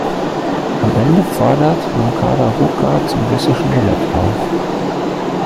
Am Ende fordert Moncada Roca zum russischen Roulette auf.